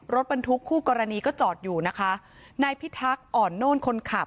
รถบรรทุกคู่กรณีก็จอดอยู่นะคะนายพิทักษ์อ่อนโน่นคนขับ